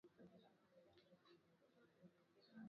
samadi zipo za aina nyingi